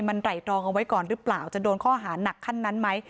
มันไหล่ตรองเอาไว้ก่อนหรือเปล่าจะโดนข้อหานักขั้นนั้นไหม